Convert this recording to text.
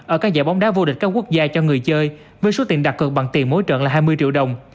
ở các giải bóng đá vô địch các quốc gia cho người chơi với số tiền đặt cược bằng tiền mỗi trận là hai mươi triệu đồng